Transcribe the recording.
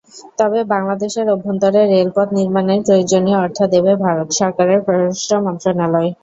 তবে বাংলাদেশের অভ্যন্তরে রেলপথ নির্মাণের প্রয়োজনীয় অর্থ দেবে ভারত সরকারের পররাষ্ট্র মন্ত্রণালয়।